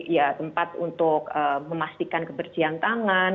ya tempat untuk memastikan kebersihan tangan